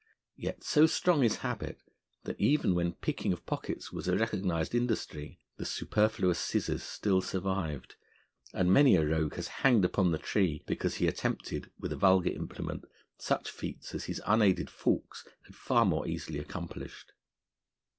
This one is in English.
Yet so strong is habit, that even when the picking of pockets was a recognised industry, the superfluous scissors still survived, and many a rogue has hanged upon the Tree because he attempted with a vulgar implement such feats as his unaided forks had far more easily accomplished.